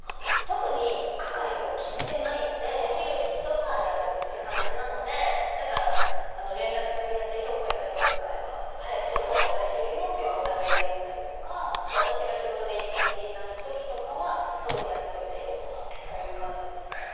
特に係とかは決めてないので、できる人がやるって感じなので、連絡取り合って、きょう保育園のお迎えは早く仕事終わったから行けるよとか、お互いやり合ったり、私が仕事で１日いないときとかは掃除やっといたよとか、そういう感じですね。